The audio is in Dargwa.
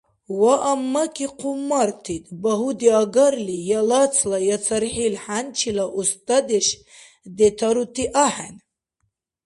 Вааммаки хъуммартид, багьуди агарли, я лацла я цархӀил хӀянчила устадеш детарути ахӀен.